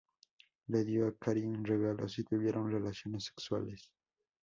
Le dio a Karin regalos y tuvieron relaciones sexuales.